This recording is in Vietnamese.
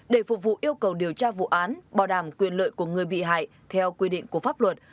để phục vụ yêu cầu điều tra vụ án bảo đảm quyền lợi của người bị hại theo quy định của pháp luật